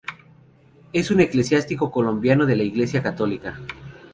Es un eclesiástico colombiano de la Iglesia católica.